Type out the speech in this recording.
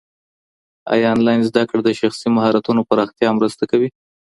ايا انلاين زده کړه د شخصي مهارتونو پراختیا مرسته کوي؟